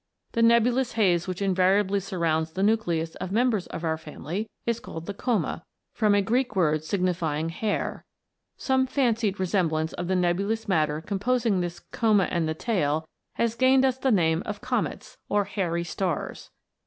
The nebulous haze which invariably surrounds the nucleus of members of our family is called the coma, from a Greek word signifying hair ; some fancied resemblance of the nebulous matter composing this coma and the tail, has gained us the name of comets, or hairy stars.